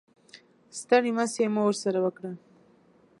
ستړې مسې مو ورسره وکړه.